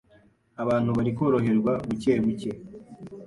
abantu bari koroherwa bucye bucye